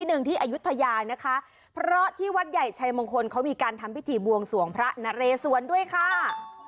หนึ่งที่อายุทยานะคะเพราะที่วัดใหญ่ชัยมงคลเขามีการทำพิธีบวงสวงพระนเรสวนด้วยค่ะ